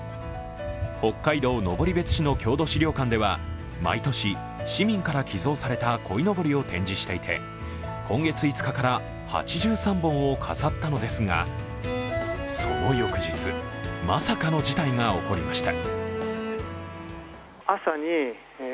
北海道登別市の郷土資料館では毎年、市民から寄贈されたこいのぼりを展示していて、今月５日から８３本を飾ったのですがその翌日まさかの事態が起こりました。